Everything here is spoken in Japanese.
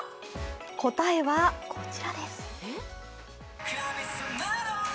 答えは、こちらです。